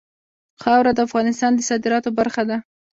خاوره د افغانستان د صادراتو برخه ده.